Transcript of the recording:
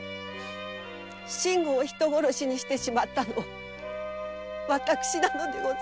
信吾を人殺しにしてしまったのは私なのでございます。